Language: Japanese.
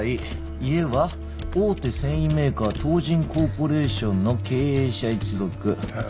家は大手繊維メーカー東仁コーポレーションの経営者一族。へ。